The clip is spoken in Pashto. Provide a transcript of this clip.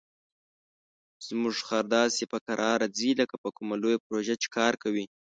زموږ خر داسې په کراره ځي لکه په کومه لویه پروژه چې کار کوي.